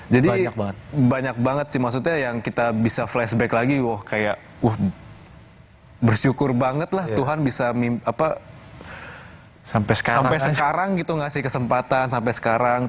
jadi banyak banget sih maksudnya yang kita bisa flashback lagi wah kayak bersyukur banget lah tuhan bisa sampai sekarang gitu ngasih kesempatan sampai sekarang